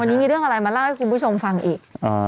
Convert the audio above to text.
วันนี้มีเรื่องอะไรมาเล่าให้คุณผู้ชมฟังอีก